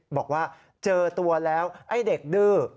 บอกว่าเจอตัวแล้วไอ้เด็กดื้อ